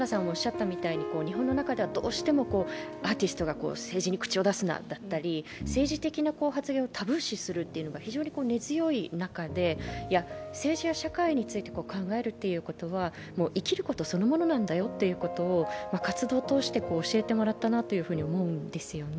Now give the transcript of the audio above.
日本の中ではどうしてもアーティストが口を出すなだったり、政治的な発言をタブー視するのが非常に根強い中で政治や社会について考えることは生きることそのものなんだよと活動を通して教えてもらったなと思うんですよね。